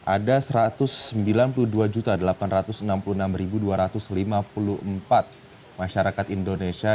ada satu ratus sembilan puluh dua delapan ratus enam puluh enam dua ratus lima puluh empat masyarakat indonesia